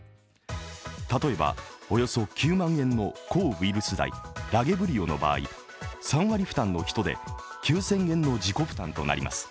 例えばおよそ９万円の抗ウイルス剤・ラゲブリオの場合、３割負担の人で９０００円の自己負担となります。